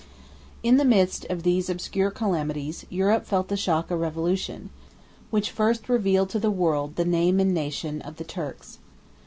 ] In the midst of these obscure calamities, Europe felt the shock of revolution, which first revealed to the world the name and nation of the Turks.